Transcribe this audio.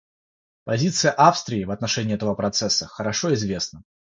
Позиция Австрии в отношении этого процесса хорошо известна.